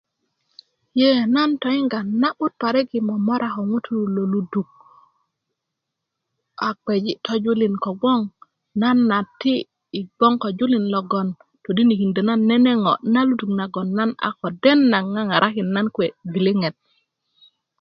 ye nan toyinga na'but parik i momora ko ŋutu lo loluduk a kpeji tojulin kobgoŋ nan a ti' i bgoŋ ko julin logon todinikindö nene ŋo na luduk nagon a ko den na ŋaŋarakin naṅ kuwe i gwiliŋet